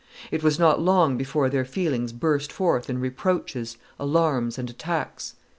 It was not long before their feelings burst forth in reproaches, alarms, and attacks.